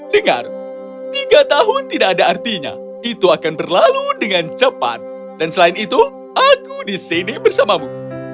dengar tiga tahun tidak ada artinya itu akan berlalu dengan cepat dan selain itu aku di sini bersamamu